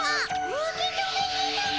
受け止めてたも。